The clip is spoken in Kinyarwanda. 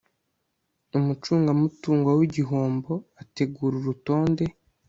umucungamutungo w igihombo ategura urutonde